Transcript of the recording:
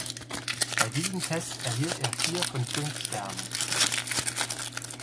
Bei diesem Test erhielt er vier von fünf Sternen.